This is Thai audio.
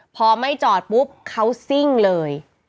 พอไม่จอดปุ๊บเขาซิ่งเลย